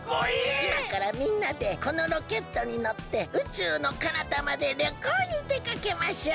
いまからみんなでこのロケットにのって宇宙のかなたまでりょこうにでかけましょう！